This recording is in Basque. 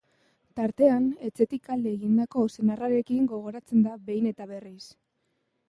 Tartean, etxetik alde egindako senarrarekin gogoratzen da behin eta berriz.